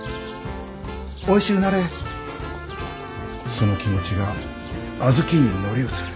その気持ちが小豆に乗り移る。